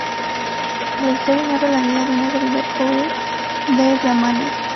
La historia narra la vida de una familia pobre de brahmanes.